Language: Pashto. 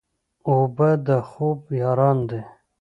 اوبه د خوب یاران دي.